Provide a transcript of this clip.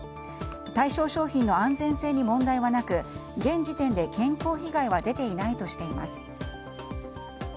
対象商品の安全性に問題はなく現時点で健康被害は出ていないとしています。